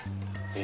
え？